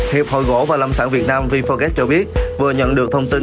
hiệp hội gỗ và lâm sản việt nam vinforet cho biết vừa nhận được thông tin